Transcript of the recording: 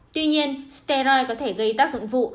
tuy nhiên steroid có thể gây tác dụng vụ